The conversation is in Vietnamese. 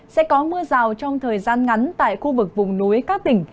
sẽ có mưa rào trong thời gian ngắn tại khu vực vùng núi các tỉnh